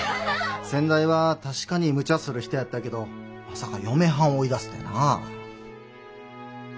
先代は確かにむちゃする人やったけどまさか嫁はん追い出すてな。